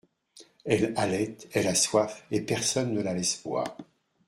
Elle halète, elle a soif, et personne ne la laisse boire.